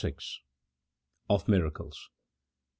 OP MIRACLES.